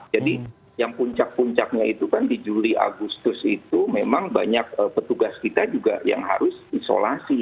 jadi yang puncak puncaknya itu kan di juli agustus itu memang banyak petugas kita juga yang harus isolasi